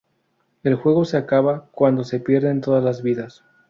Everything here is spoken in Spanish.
El juego se acaba cuando se pierden todas las vidas.